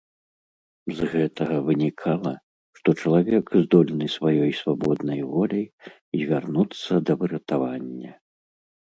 З гэтага вынікала, што чалавек здольны сваёй свабоднай воляй звярнуцца да выратавання.